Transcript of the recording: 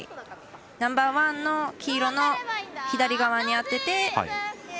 ナンバーワンの黄色の左側に当てて。